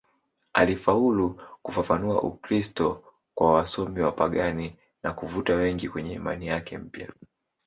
Alifaulu kufafanua Ukristo kwa wasomi wapagani na kuvuta wengi kwenye imani yake mpya.